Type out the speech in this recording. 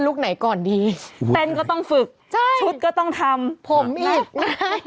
ไหนก่อนดีเต้นก็ต้องฝึกใช่ชุดก็ต้องทำผมอีกนะฮะ